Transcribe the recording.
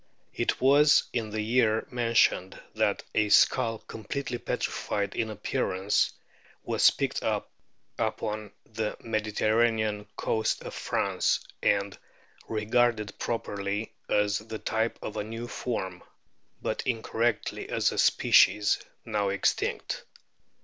It was in the year mentioned that a skull "completely petrified in appearance " was picked up upon the Mediterranean coast of France, and regarded properly as the type of a new form, but incorrectly as a species now extinct.